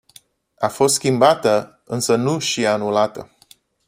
A fost schimbată, însă nu și anulată.